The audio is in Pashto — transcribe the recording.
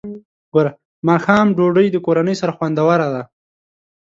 ماښام ډوډۍ د کورنۍ سره خوندوره ده.